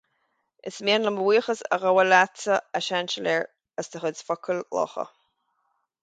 Is mian liom mo bhuíochas a ghabháil leatsa, a Seansailéir, as do chuid focail lácha